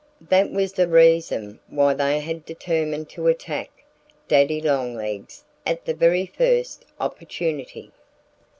That was the reason why they had determined to attack Daddy Longlegs at the very first opportunity.